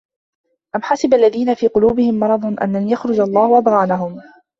أَم حَسِبَ الَّذينَ في قُلوبِهِم مَرَضٌ أَن لَن يُخرِجَ اللَّهُ أَضغانَهُم